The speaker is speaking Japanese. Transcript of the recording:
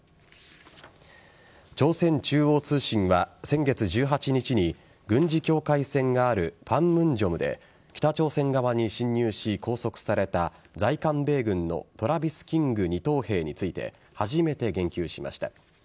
朝鮮中央通信は先月１８日に軍事境界線があるパンムンジョムで北朝鮮側に侵入し拘束された在韓米軍のトラビス・キング２等兵について初めて言及しました。